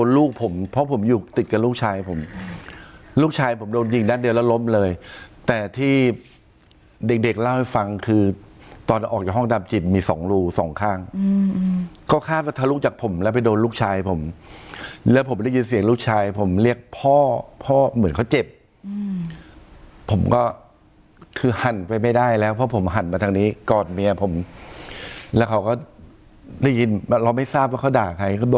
ลูกผมเพราะผมอยู่ติดกับลูกชายผมลูกชายผมโดนยิงด้านเดียวแล้วล้มเลยแต่ที่เด็กเด็กเล่าให้ฟังคือตอนออกจากห้องดับจิตมีสองรูสองข้างก็คาดว่าทะลุจากผมแล้วไปโดนลูกชายผมแล้วผมได้ยินเสียงลูกชายผมเรียกพ่อพ่อเหมือนเขาเจ็บผมก็คือหันไปไม่ได้แล้วเพราะผมหันมาทางนี้กอดเมียผมแล้วเขาก็ได้ยินเราไม่ทราบว่าเขาด่าใครก็บ